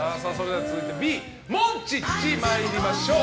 続いてＢ、モンチッチ参りましょう。